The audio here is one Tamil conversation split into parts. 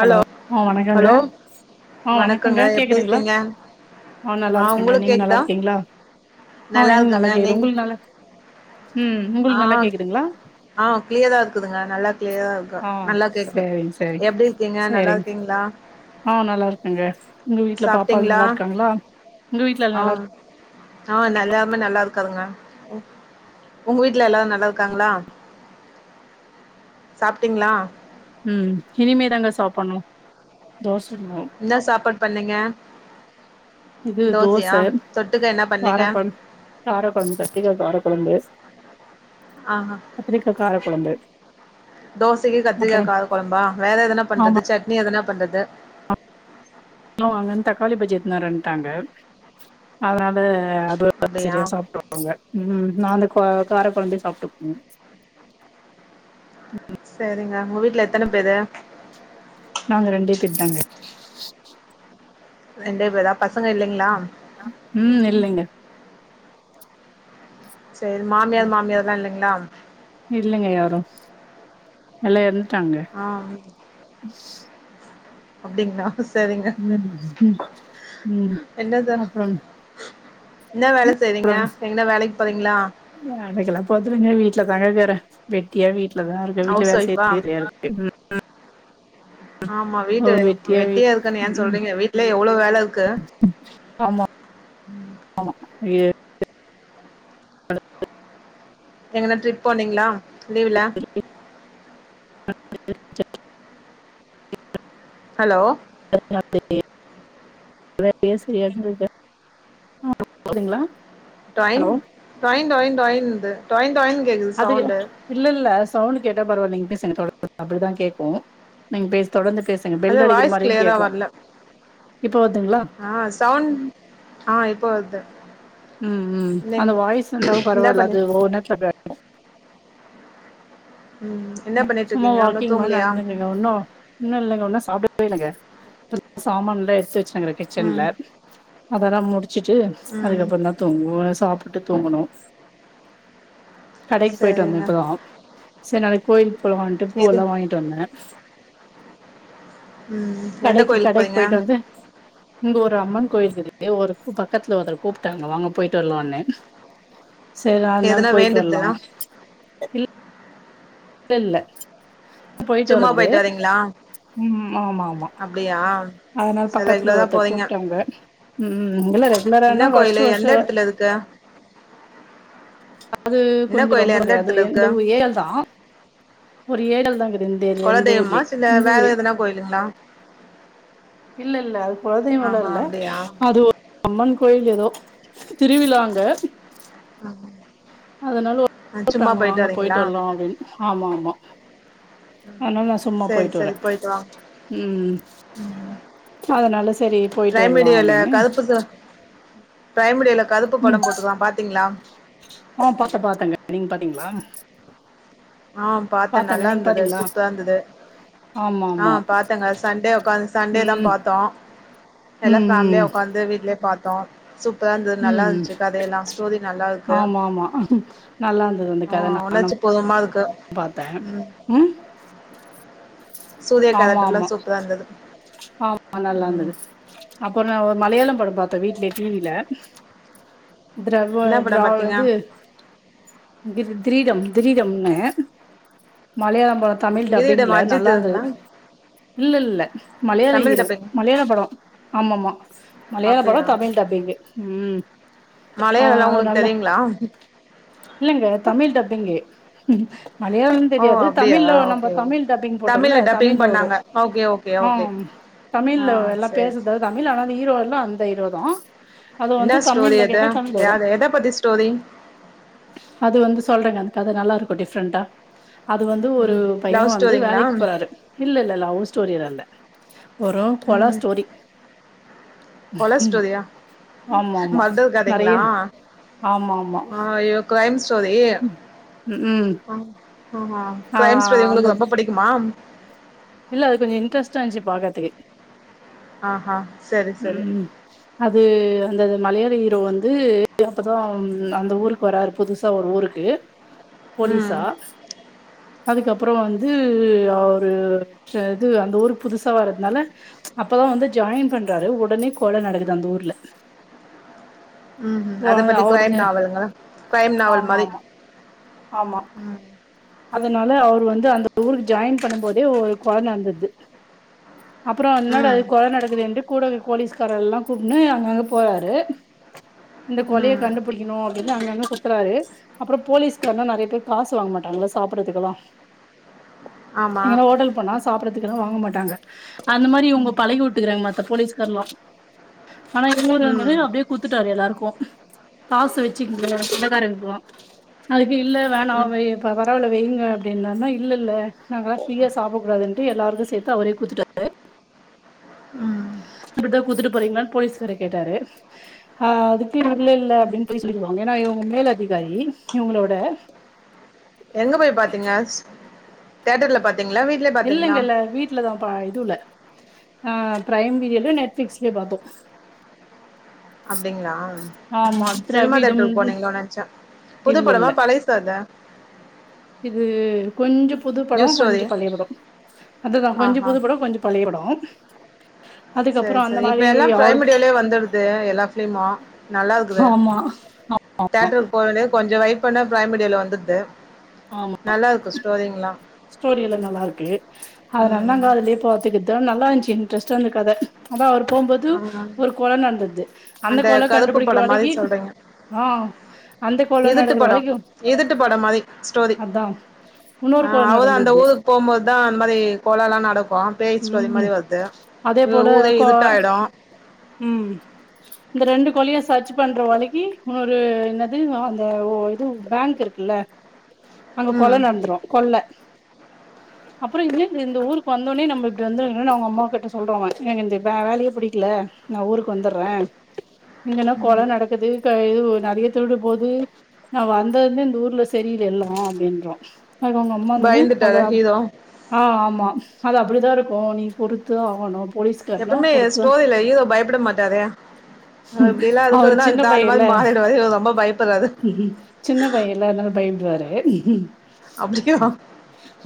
ஹலோ ஆ, வணக்கங்க. ஹலோ ஆ வணக்கங்க எப்டி கேக்குதுங்களா இருக்கீங்க ஆ நல்லாருக்கங்க உங்களுக்கு நீங்க கேக்குதா நல்லாருக்கீங்ளா ஆ எனக் இருக்குங்க நல்லா கேக்குது நீங் உங்களுக்கு நல்லா ம் ஆ உங்களுக்கு நல்லா கேக்குதுங்களா ஆ கிளியரா இருக்குதுங்க நல்லா கிளியரா இருக்கு ஆ நல்லா கேக்குது சேரிங் சேரிங் எப்டி இருக்கீங்க நல்லா சேரிங் இருக்கீங்களா ஆ நல்லாருக்கங்க உங்க வீட்ல பாப்பால் சாப்ட்டீங்களா நல்லாருக்காங்களா உங்க வீட்ல ஆ நல்லாருக் ஆ நல்லாமே நல்லாருக்கறங்க உங்க வீட்ல எல்லாரு நல்லாருக்காங்களா சாப்ட்டீங்ளா ம் இனிமேதாங்க சாப்பணு தோஸ் என்ன சாப்பாட் பண்ணீங்க இது தோச தோசையா தொட்டுக்க என்ன பண்ணீங்க காரக்கொழம் காரக்கொழம்பு கத்திரிக்கா காரக்கொழம்பு கத்திரிக்கா கார கொழம்பு தோசக்கி கத்திரிக்கா காரகொழம்பா வேற எதனா ஆமா பண்றது சட்னி எதனா பண்றது னரன்ட்டாங்க அதுனால அது அப்டியா சரியா சாப்றுவாங்க ம் நா அந்த கொ காரகொழம்பே சாப்டுக்குவோம் செரிங்க உங்க வீட்ல எத்தன பேரு நாங்க ரெண்டே பேர்தாங்க. ரெண்டே பேர்தா பசங்க இல்லேங்களா ம் இல்லைங்க செர் மாமியார் மாமியார்ல்லா இல்லேங்களா இல்லைங்க யாரும் எல்லா எறந்ட்டாங்க. அப்டிங்களா செரிங்க ம்ம் ம் அப்ரொம் என்னா வேல செய்றீங்க எங்கனா வேலைக் போறீங்ளா வேலைக்கெல்லா போறதுல்லங்க வீட்ல தாங்க இக்கறே வெட்டியா வீட் வீட்ல தா இருக்கே வீட்ல ஹவுஸ் வேல ஒய்ஃபா செய்றதுக்கே சரியாருக்கு ம். ஆமா [inaudible] வீட்டு ஒ வே வெட்டியா வீட் இருக்கன்னு ஏன் ம் சொல்றீங்க வீட்ல எவ்ளோ வேல இருக்கு ஆமா ஆமா விய [inaudible] எங்கனா ட்ரிப் போனீங்ளா லீவுல்ல [inaudible] ஹலோ [inaudible] எதா பேச [inaudible] டொய்ங் டொய்ன் டொய்ன் டொய்ன்ந்து டொய்ன் அதுகு இல்லல்ல சவுண்டு கேட்டா பரவாயில்லைங் பேசுங்க [inaudible] அப்டிதா கேக்கு நீங்க பேசு தொடர்ந்து பேசுங்க அது பெல் அடிக்கிற வாய்ஸ் மாரியு கிளியரா கேக்கு வரல இப்ப வருதுங்ளா ஆ சவுண்ட் ஆ இப்ப வர்து ம் ம் அந்த வாய்ஸ் வந்தா என்ன பரவால்ல பண்ணி அது ஒவ்வொர் நேரத்துல அப்டிதா [inaudible] ம். என்ன சும்மா பண்ணிட்டுருக்கீங்க? இன்னும் வாக்கிங் மாரி தூங்கலையா? நடந்து வந்தேங்க ஒன்னு ஒன்னு இல்லங்க ஒன்னு சாப்டவே இல்லங்க. சமான்லா எத்து வச்சுருங்கடே கிச்சன்ல ம். அதல்லா முடு வச்சுட்டு ம். அதுக்கப்பறோ தா தூங்குவோ சாப்புட்டு தூங்கணு கடைக் போயிட்டு வந்தே சரிங்க. இப்பதா செர் நாளைக் கோயிலுக்கு போலான்ட்டு எது பூவல்லா வாங்கிட்டு வந்தே. ம். எந்த கடைக்கி கோயிலுக்கு கடைக் போறீங்க? போய்ட்டு வந்து இங்க ஒரு அம்மன் கோயில் இருக்குது ஏ ஒரு பக்கத்துல ஒர்தரு கூப்ட்டாங்க வாங்க போய்ட்டு வர்லானு செரி நால் எதுனா நாள் போய்ட்டு வர்லா வேண்டுதலா? இல் இல்ல இல்ல போய்ட்டு சும்மா வர்றது போயிட்டு வரீங்களா? ம் ஆமா ஆமா அப்டியா? அதுனால சரி பக்கத்துல ரெகுலரா ஒர்தர் போறீங்க. கூப்ட்டாங்க நீங்கல்லா என்ன ரெகுலரான வர்ஷ கோயிலு? வர்ஷ எந்த இடத்துல இருக்கு? அது என்ன கொஞ்சோ கோயிலு? ரொம்ப எந்த ரேரு இடத்துல இருக்கு? இந்தவ் ஏயல் தா ஒரு ஏழல்தாங்கிது இந்தேலியே குலதெய்வமா? இந்தூர்லே இல்ல வேற இந்தூரே எதுனா கோயிலுங்களா? இல்லல்ல அது குலதெய்வல்லா ஆஹா இல்ல அப்டியா? அது ஒரு அம்மன் கோயில் எதோ திருவிழாங்க ஆ அதனால [inaudible] வாங்க போய்ட்டு வரீங்களா? வர்லா அப்டின் ஆமா ஆமா அத்னால் நா சும்மா சரி, போய்ட்டு வறே சரி போயிட்டு வாங்க. ம் அதனா பிரைம் வீடியோல கர்ப்பு ச பிரைம் வீடியோல கருப்பு படோ ம் போட்ருக்கா பாத்தீங்ளா ஆ பாத்த பாத்தேங்க நீங்க பாத்தீங்ளா ஆ பாத்தே நல்லார்ந்துது சூப்பரார்ந்துது ஆமா ஆ ஆமா பாத்தேங்க சண்டே ஒக்காந்து சண்டே தா ம் பாத்தோ எல்லா ஃபேம்லியா ம் ஒக்காந்து வீட்லியே பாத்தோ சூப் சூப்ரா இருந்துது நல்லா பராந்துது ம் ம் நல்லாந்த்ச்சு கதையெல்லா ஸ்டோரி நல்லாருக்கு ஆமா ஆமா நல்லா இருந்தது அந்த ஆ கத நானும் ஒழச்சிக் போதுமார்க் பாத்தே ம் சூர்யா ஆமா கேரக்டர்லா ஆமா சூப்பரா இருந்தது ஆமா ம் நல்லாந்துது அப்றோ நா ஒரு மலையாளம் படோ பாத்தே வீட்லே டி வி ல த்ரவ என்ன படம் த்ராவ் பாத்தீங்க இது கிர் த்ரீடம் திடீடம்னு மலையாளம் படோ தமிழ் டப்பிங் கிரீடம் அஜித் நல்லாந்துது இதுங்களா இல்ல இல்ல மலையாள தமிழ் ஈரோ டப்பிங் மலையாள படோ ஆமாம்மா மலையாள படோ தமிழ் டப்பிங்கு ம் ஆ மலையாளோல்லா அது உங்களுக் நல்லா தெரியுங்ளா இல்லங்க தமிழ் டப்பிங்கு மலையாளம் ஓ தெரியாது அப்டியா தமிழ்ல நம்ம ஓகே ஓகே தமிழ் டப்பிங் போட்டோல்லே டப்பிங் தமிழ்ல வரூ பண்ணாங்க ஓகே ஓகே ஓகே ஆம் ஆ தமிழ்ல எல்லா சேரி பேசுத தமிழ் ஆனா ஹீரோ எல்லா அந்த ஹீர் வதூ என்ன ஸ்டோரி அது யார் எத பத்தி ஸ்டோரி அது வந்து சொல்றே ஆ கத நல்லார்க்கூ டிஃப்ரெண்டா அது வந்து ஒரு ம் பையே லவ் வந்து ஸ்டோரிங்களா வேலைக் போறாரு இல்லல்ல லவ் ஸ்டோரிலா இல்ல ஒரூ பொலா ம் ஸ்டோரி கொல ம் ஸ்டோரியா ஆமா ஆமா மர்டர் நெறைய கதைங்ளா ஆமா ஆமா ஆ ஐயோ க்ரைம்ஸ் டோரி ம் ம் ஆ க்ரைம் ஸ்டோரி அந்த உங்குளுக்கு புடிக்குமா இல்ல அது கொஞ்சோ இன்ட்ரெஸ்டாந்த்ச்சி பாக்கதுக்கு ஆஹா சரி சரி ம் அத் து அந்த மலையாள ஹீரோ வந்து அப்பதா அந்த ஊருக்கு வராரு புதுசா ஒரு ஊருக்கு ம் போலீஸா அதுக்கப்றோ வந்து அவரு ட்றது அந்த ஊருக்கு புதுசா வரதுனால அப்பதா வந்து ஜாயின் பண்றாரு எடனே கொல நடக்குது அந்த ஊர் ல ம் ம் அத பத்தி க்ரைம் நாவலுங்களா க்ரைம் நாவல் ஆமா மாரி ஆமா ஆமா ம் அதனால அவர் வந்து அந்த ஊருக்கு ஜாயின் பண்ணும்போதே ஒ கொல நந்துது அப்றோ என்னடா இது ம் கொல நடக்குதேன்ட்டு கூட போலீஸ்கார எல்லா கூப்ன்னு அங்கங்க போறாரு இந்த கொலய ம் கண்டுபுடிக்ணூ அப்டின்னு அங்கங்க குத்துறாரு அப்றோ போலீஸ்கார்லா நறைய பேர் காசு வாங்க மாட்டாங்ல சாப்றதுக்குல்லா ஆமா எங்கனா ஓட்டல் போனா சாப்றதுக்குல்லா வாங்க மாட்டாங்க அந்த மாரி இவுங்க பழகி உட்டுக்றாங்க மாத் த போலீஸ்கார்லா ஆனா இவுங்கூரு ம் வந்தோனே அப்டியே குத்துட்டாரு எல்லார்க்கோ காசு வச்சுங்க கடகாரங்க்லா அது இல்ல வேணா ம் வை பரவ் வால வைங்க அப்டின்னான்னா இல்லல்ல நாங்கலா ஃப்ரீயா சாப்ட கூடாதுன்ட்டு எல்லார்க்கூ சேத்து அவரே குத்துட்டாரு ம் இப்டித்தா கூத்துட்டு போறீங்களான்னு போலீஸ்காரு கேட்டாரு ஆ அதுக் தீர்வுதெ இல்ல அப்டின்னு போய்சொல்லிக்கிருவாங் ஏன்னா இவ்ங்க மேல் அதிகாரி இவங்களோட எங்க போய் பாத்தீங்க தியேட்டர்ல பாத் இல்லைங்கல்ல வீட்டுலதா பா இதுல ஆ பிஃரைம் வீடியோல நெட்பிளிக்ஸ்லயோ பாத்தோ அப்டிங்களா ஆமா சினிமா திராவிடம் தேட்டருக்கு போனீங்களோ நெனச்சா புது இல்ல படமா இல்ல பழைசாது இது கொஞ்சோ புது நியூ படோ ஸ்டோரி கொஞ்சம் பழைய படோ அதுதா கொஞ்சோ ஆஹா புது படோ கொஞ்சோ பழைய படோ செர் அதுக்கப்புறோ அந்த செரி இப்ப மாரி எல்லா பிஃரைம் ஆர் மீடியோலயே வந்துடுது எல்லா பிலிமு நல்லா இருக்குது ஆமா தேட்டருக்கு போவேலே கொஞ்சோ வய்ர் பண்ண பிஃரைம் மீடியோல வந்துருது ஆமா நல்லா இருக்கு ஸ்டோரியெல்லா ஸ்டோரி எல்லா நல்லா இருக்கு அதனால நாங்க ம் அதுலேயே பாத்துகித்த நல்லா இருந்துச்சு இன்ட்ரஸ்ட்டா அந்த கத போம்போது ஆமா ஒரு கொல நடந்தது அந்த கொல கருப்பு படம் மாரி கண்டுபிடிக்கிறவரைக்கி ஆ அந்த கொல எயித்து நடக்கிற படோ வரைக்கு எயித்து படோ மாரி ஸ்டோரி அதா உன்னொரு ஆ ஆ கொல அவோதா அந்த நடந்தது ஊருக்கு போம்போதுதா அந்த மாரி கொலல்லா நடக்கொ உம் அதே போல ஊரே கொ இருட்டாயிடு உம் இந்த ரெண்டு கொலயு சர்ச் பண்ற வரைக்கி இன்னொரு என்னது அந்த ஓ இது பேங்க் இருக்குல்ல அங்க கொல ம் நடந்துரு கொள்ள அப்புறோ இன்ன இந்த ஊருக்கு வந்தோனே நம் இப்டி வந்தொனு அவுங்க அம்மா கிட்ட சொல்றோங்க எனக்கு இந்த வேலையே பிடிக்கல நா ஊருக்கு வந்தறே இங்கன கொல நடக்குது இதுவு நெறைய திருட்டு போது நா வந்ததுன்னே இந்த ஊர்ல செரியெல்லு அப்டின்றா அதுக்கு ஒங்க அம்மா இருந்து பயந்துட்டாரா அத ஹீரோ ஆ ஆமா அத அப்டிதா இருக்கு நீ பொறுத்து ஆகணு போலீஸ்காரனா எப்பவுமே பொறுத்துதா ஸ்டோரியில ஹுரோ பயப்பட மாட்டாரே அப்டியெல்லா அவரு இருக்குதுன்னா அது சின்ன அந்த மாரி பையல்ல மாறிடுவாறு ரொம்ப பயப்பறாரு சின்ன பையல்ல அதனால பயப்படுவாரு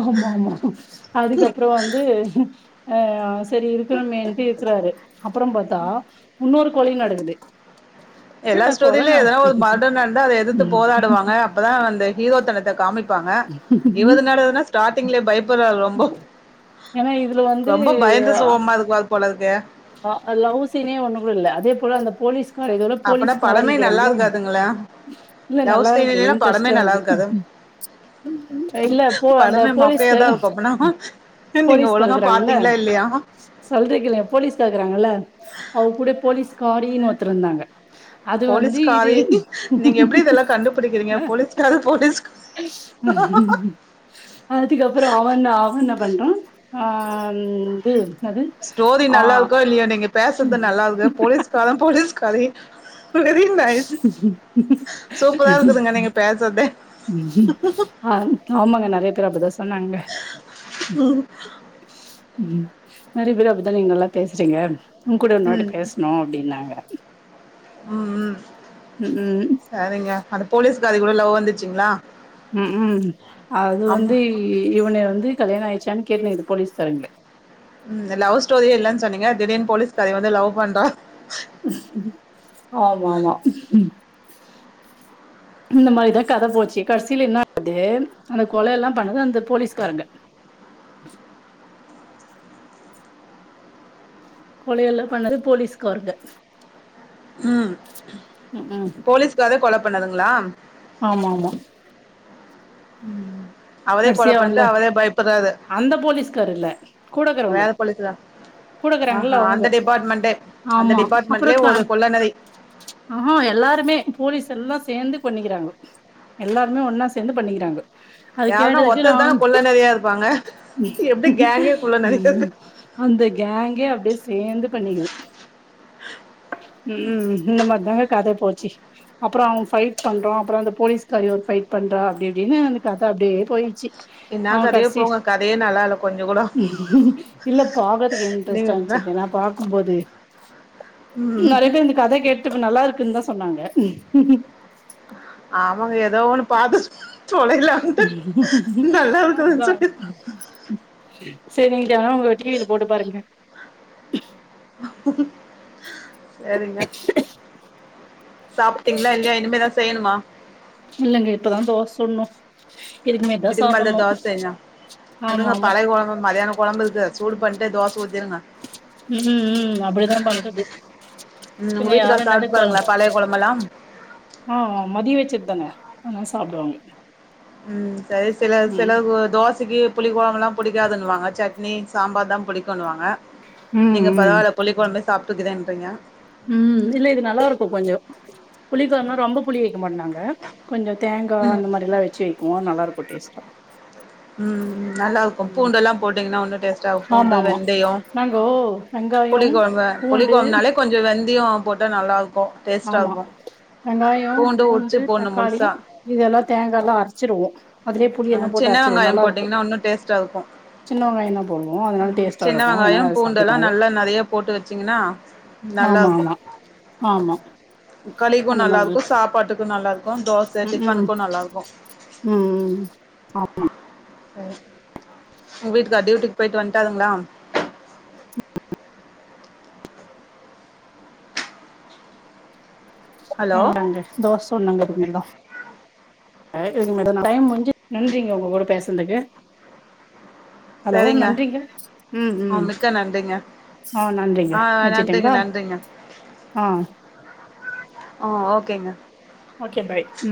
ஆமா ஆமா அதுக்கப்புறோ வந் ஆ செரி இருக்கிறோமேனு இருக்கிறாரு அப்புறோ பாத்தா இன்னொருக் கொழி நடக்குது எல்லா என்னடா கொல ந ஸ்டோரிலையு எதன ஒரு மர்டர் நடந்தா அத எதிர்த்து போராடுவாங்க அப்பதா அந்த ஹீரோ தனத்த காமிக் ருப்பாங்க இவரு என்னடான்னா ஸ்டாரிங்லயே பயப்பறாரு ரொம்பொ ஏன்னா இதுல ரொம்ப பயந்து சுவமா இருக்குவாரு போலருக்கே ஹா லவ்சினே ஒண்ணு கூட இல்ல அதே போல அந்த போலீஸ் இதோட அப்பனா போலீஸுக்கு படமே நல்லா காறிக்கிறாங்களா இருக்காதுங்களே இல்ல லவ் சீன் நல்லாருக்கு இல்லைன்னா படமே என்டிராஸ்டா நல்லா இருக்கு இருக்காது இல்ல போ அந்த படமே போலீஸ்க்கு மொக்கையாதா இருக்கு அப்பனா நீங்க போலீஸ்கா ஒழுங்கா இருக்குறாங்கல்ல பாத்தீங்களா இல்லையா சொல்லறக்கீங்க போலீஸ்கர் இருக்குறாங்க நல அவ கூட போலீஸ் காரின்னு ஒத்தருத்ருதாங்க அது வந்து இது போலீஸ்காரி நீங்க எப்டி இதெல்லா கண்டுபிடிக்கிறீங்க போலீஸ்காரு போலீஸ் அதுக்கப்புறோ அவன அவன் என்ன பண்றா அந்து ஸ்டோரி நல்லா இருக்கோ இல்லையோ நீங்க பேசுறது நல்லா இருக்கு போலீஸ்காரே போலீஸ்காரி வெரி நைஸ் சூப்பரா இருக்குதுங்க நீங்க பேசரதே உம் ஆ ஆமாங்க நெறைய பேர் அப்டிதா சொன்னாங்க உம் உம் நெறைய பேரு அப்டிதா நீங்க நல்லா பேசுறீங்க உங்கூட ஒன்னாட்டி பேசணு அப்டின்னாங்க உம் உம் ம் செரிங்க அந்த போலீஸ்காரி கூட லவ் வந்துச்சுங்களா உம் உம் அது ஆமா வந்து இவனை வந்து கல்யாணோ ஆயிச்சானு கேட்ங்து போலீஸ்காரங்களே ம் லவ் ஸ்டோரிய இல்லன்னு சொன்னீங்க திடீனு போலீஸ்காரி வந்து லவ் பண்றா ஆமா ஆமா இந்த மாதிரிதா கத போச்சு கடைசியில என்ன ஆது அந்த கொலை எல்லா பண்ணது அந்த போலீஸ்காரங்க கொலை எல்லா பண்ணது போலீஸ்க்கருங்க ம் ம் போலீஸ்கார் கொல பண்ணதுங்களா ஆமா ஆமா அவரே கொல கடைசியா வந்த பண்ட்டு அவரே பயப்படுறாரு அந்த போலீஸ்கார் இல்ல கூடக்கறவங்க வேற போலீஸ்கார் கூடக்கறாங்கல்ல ஆஹா அவங்க அந்த டிபார்ட்மெண்ட்டே அந்த ஆமா அப்புறோ டிபார்ட்மெண்ட்லயே த ஒரு கொள்ள நெறி ஆஹ எல்லாருமே போலீஸ் எல்லா சேந்து கொண்ணிக்கிறாங்கோ எல்லாருமே ஒன்னா சேந்து பண்ணிக்கிறாங்கோ யாருன்னா ஒரத்தரதானே கொல்ல நெறையா இருப்பாங்க எப்டி கேங்கே கொள்ள நெறியா இருக்கு அந்த கேங்கே அப்டியே சேந்து பண்ணயிக்குது ம் இந்த மாதிரி தாங்க கத போ ச்சி அப்புறோ அவ ஃபைட் பண்ற அப்புறோ அந்த போலீஸ்காரி ஒரு ஃபைட் பண்ற அப்டி இப்டின்னு அந்த க த அப்டியே போயிச்சு என்னா அவ கதையோ கடைசி போங்க கதையே நல்லா இல்ல கொஞ்சோ கூட இல்ல பாக்கறதுக்கு இன்ட்ரெஸ்டா நீங்க இருந்துச்சுங்க நா பாக்கும்போது ம் நெறைய பேர் இந்த கத கேட்டு இப்ப நல்லா இருக்குன்னு தா சொன்னாங்க ஆமாங்க ஏதோ ஒன்னு பாத்து தொலைலான்ட்டு நல்லா இருக்குதுன்னு அதா சொல்லி செரிங் வேணா உங்க டிவியில போட்டுப் பாருங்க செரிங்க சாப்பிட்டீங்களா இல்லையா இனிமேதா செய்யணுமா இல்ங்க இப்பதா தோச சுடணு மேட்டுதா இதுக்கு மேலத சாப்பட்ணு தோசையா ஆமா வுடுங்க ஆமா பழைய கொழம்பு மதியான கொழம்பு இருக்கு சூடு பண்டு தோச ஊதிருங்க ம் ம் அப்டித்தா பண்ணறது ம் பின்ன உங்க யாரு வீட்டுக்கார் என்னாத சாப்ட்டு கொழ பாருங்களா பழைய கொழம்பெல்லா ஆ மதிய வச்சதுதானே அதனால சாப்டுவாங்க ம் சரி சில ம் சில தோச த்க்கு புளிக்கொழம்பெலா புடிக்காதுன்னுவாங்க சட்னி சாம்பார் தா புடிக்குன்னுவாங்க ம் நீங்க ம் பரவாயில்ல புளிக்கொழம்பே சாப்பிட்டுக்கறேன்றீங்க ம் இல்ல இது நல்லா இருக்கு கொஞ்சோ புளிகொழம்புனா ரொம்ப புளி க்க மாட்ட நாங்க கொஞ்ச தேங்கா அந்த மாரி எல்லா வச்சு வைக்குவோ நல்லா இருக்கு டேஸ்டா ம் நல்லா இருக்கு பூண்டு எல்லா போட்டீங்கன்னா உன்னு டேஸ்ட ஆகு பூண்டு ஆமா ஆமா வெந்தயோ நாங்கோ வெங்காயோ புளி கொழம்ப புளி பூண்டு கொழம்புனாலே கொஞ்சோ வெந்தயோ போட்டா நல்லா இருக்கு டேஸ்ட்டா ஆமா இருக்கு வெங்காயோ உரிச்சு பூண்டு போட்ணு தக்காளி முழுசா இதெல்லா தேங்கா எல்லா அரைச்சிருவோ அதுலயே புளிய ஆ எல்லா போட்டு சின்ன அரச்சிருவோ வெங்காயோ நல்லா இருக்கு போட்டீங்கன்னா உன்னு டேஸ்ட்டா இருக்கு சின்ன வெங்காய தா போடுவோ அதனால டேஸ்ட்டா சின்ன இருக்கு வெங்காயோ அதனால அத பூண்டெல்லா சாப்பிட்டுக்வாங்கோ நல்லா நெறைய போட்டு வச்சீங்கன்னா ஆமா ஆமா ஆமா களிக்கும் அந்த நல்லா மாரிலா இருக்கு சாப்பாட்டுக்கு நல்லா இருக்கு தோச ம் டிஃபனுக்கு நல்லா இருக்கு ம் ம் ஆமா உங்க வீட்டுக்காரர் டியூட்டிக்கு போயிட்டு வன்ட்டாருங்களா ஹலோ [unintelligible] ங்க தோச சூடனுங்க இனிமேல்தா [unintelligible] டைம் முஞ்சி நன்றிங்க உங்க கூட பேசனதுக்கு ஹலோ சரிங்க நன்றிங்க ம் ம் ஆ மிக்க நன்றிங்க ஆ நன்றிங்க ஆ நன்றிங்க வச்சுட்டங்களா நன்றிங்க ஆ ஆ ஓகேங்க ஓகே பாய் ம்